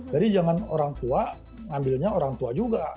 jadi jangan orang tua ambilnya orang tua juga